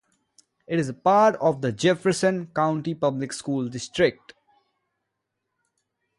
It is part of the Jefferson County Public School District.